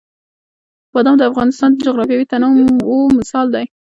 بادام د افغانستان د جغرافیوي تنوع مثال دی.